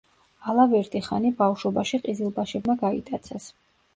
ალავერდი-ხანი ბავშვობაში ყიზილბაშებმა გაიტაცეს.